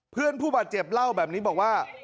เพื่อนผู้บัดเจ็บเหล้าแบบนี้บอกว่า